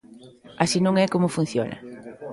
Así non é como funciona.